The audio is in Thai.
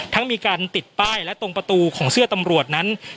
มีการติดป้ายและตรงประตูของเสื้อตำรวจนั้น